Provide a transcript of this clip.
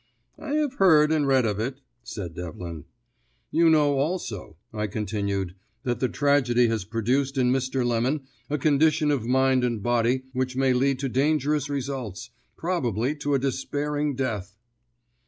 "I have heard and read of it," said Devlin. "You know also," I continued, "that the tragedy has produced in Mr. Lemon a condition of mind and body which may lead to dangerous results, probably to a despairing death."